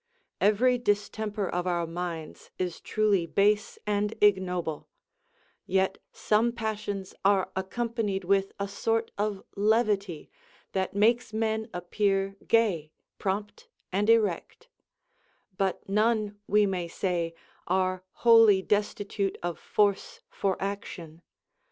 3. Every distemper of our minds is truly base and igno ble ; yet some passions are accompanied with a sort of levity, that makes men appear gay, prompt, and erect ; but none, we may say, are wholly destitute of force for action.